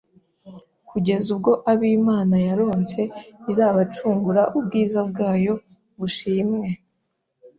kugeza ubwo ab'Imana yaronse izabacungura, ubwiza bwayo bushimwe."